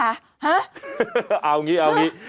เอาอย่างนี้เอาอย่างนี้